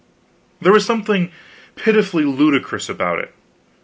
There was something pitifully ludicrous about it.